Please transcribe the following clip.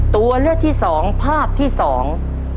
ตัวเลือกที่สองภาพที่สอง